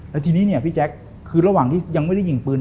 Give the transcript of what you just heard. แล้วทีนี้เนี่ยพี่แจ๊คคือระหว่างที่ยังไม่ได้ยิงปืน